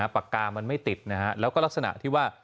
ปากกามันไม่ติดนะฮะแล้วก็ลักษณะที่ว่า